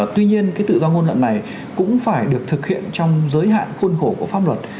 tuy nhiên cái tự do ngôn luận này cũng phải được thực hiện trong giới hạn khuôn khổ của pháp luật